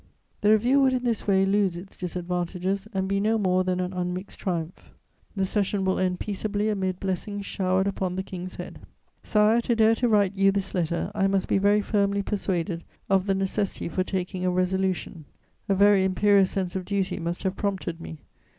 "The review would in this way lose its disadvantages and be no more than an unmixed triumph. The Session will end peaceably amid blessings showered on the King's head. "Sire, to dare to write you this letter, I must be very firmly persuaded of the necessity for taking a resolution; a very imperious sense of duty must have prompted me.